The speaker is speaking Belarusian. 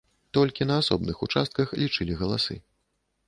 Толькі на асобных участках лічылі галасы.